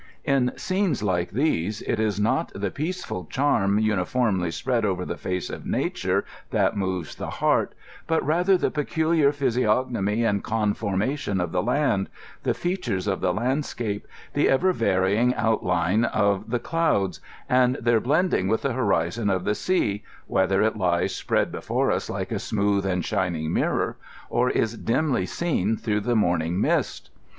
In scenes like these, it is not the peace ful charm uniformly spread over the face of nature that moves the heart, but rather the peculiar physiognomy and conforma tion of the land, the features of the landscape, the ever vary ing outline of the clouds, and their blending with the horizon of the sea, whether it lies spread before us like a smooth and shining mirror, or is dimly seen through the morning mist.